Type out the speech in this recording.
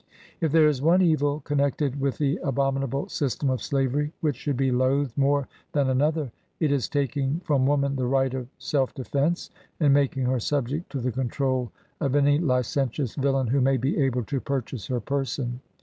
If there is one evil connected with the abominable system of slavery which should be loathed more than another, it is taking from woman the right of self defence, and making her subject to the control of any licentious villain who may be able to purchase her person.